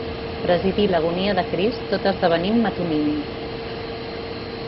Presidí l'agonia de Crist tot esdevenint metonímia.